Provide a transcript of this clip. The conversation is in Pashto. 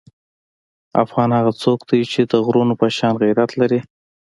افغان هغه څوک دی چې د غرونو په شان غیرت لري.